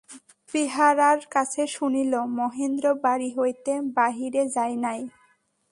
বেহারার কাছে শুনিল, মহেন্দ্র বাড়ি হইতে বাহিরে যায় নাই।